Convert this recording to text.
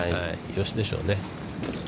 よしでしょうね。